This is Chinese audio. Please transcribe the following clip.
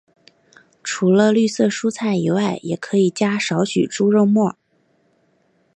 除了绿色蔬菜以外也可以加少许猪肉末。